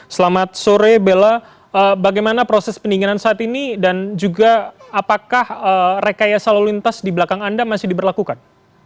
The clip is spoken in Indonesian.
selamat sore bella bagaimana proses pendinginan saat ini dan juga apakah rekayasa lalu lintas di belakang anda masih diberlakukan